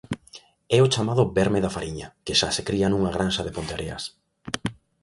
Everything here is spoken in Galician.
É o chamado verme da fariña, que xa se cría nunha granxa de Ponteareas.